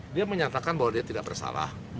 dia menyatakan bahwa dia tidak bersalah